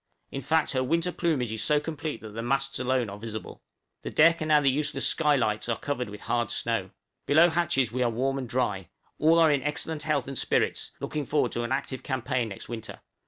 In fact, her winter plumage is so complete that the masts alone are visible. The deck and the now useless sky lights are covered with hard snow. Below hatches we are warm and dry; all are in excellent health and spirits, looking forward to an active campaign next winter.